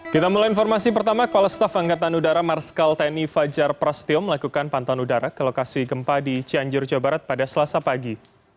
kita mulai informasi pertama kepala staf angkatan udara marskal tni fajar prasetyo melakukan pantauan udara ke lokasi gempa di cianjur jawa barat pada selasa pagi